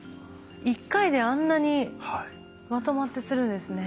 １回であんなにまとまってするんですね。